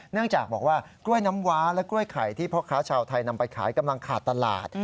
เนื่องจากบอกว่ากล้วยน้ำว้าและกล้วยไข่ที่พ่อค้าชาวไทยนำไปขายกำลังขาดตลาด